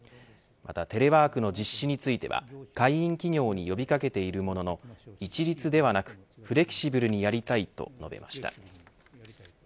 またテレワークの実施については会員企業に呼び掛けているものの一律ではなくフレキシブルにやりたいと述べました。